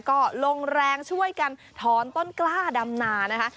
ก็ลงแรงช่วยกันถอนต้นกล้าดำนานะคะ